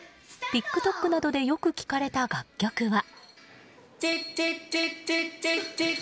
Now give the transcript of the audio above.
ＴｉｋＴｏｋなどでよく聴かれた楽曲は。